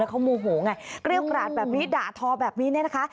แล้วเขามูหูไงเกรียบกราดแบบนี้ด่าทอแบบนี้นะนะคะ